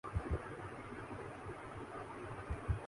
حقائق کو توڑ مروڑ کر پیش کرنا شاید بی بی سی سے زیادہ کوئی نہیں جانتا